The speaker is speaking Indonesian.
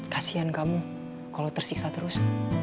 kasian kamu kalau tersiksa terus